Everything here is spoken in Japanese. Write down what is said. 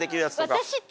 私って。